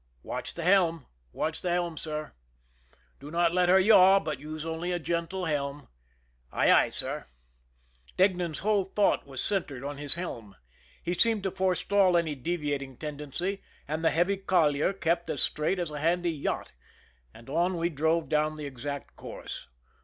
" Watch the helm !"" Watch the helm, sir." " Do not let her yaw, but use only a gentle helm !" "Aye, aye, sir." Deignan's whole thought was centered on his helm. He seemed to forestall any deviating tendency, and the heavy collier kept as straight as a handy yacht, and on we drove down the exact course.